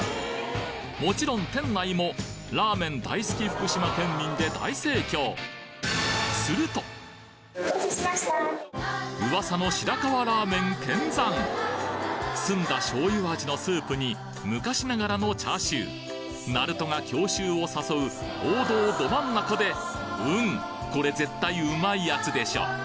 もちろん店内もラーメン大好き福島県民で大盛況噂の白河ラーメン見参澄んだ醤油味のスープに昔ながらのチャーシューなるとが郷愁を誘う王道ど真ん中でうんこれ絶対うまいやつでしょ